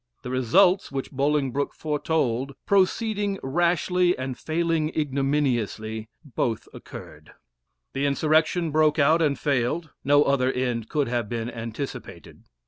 The results which Bolingbroke foretold proceeding rashly and failing ignominiously both occurred. The insurrection broke out, and failed no other end could have been anticipated.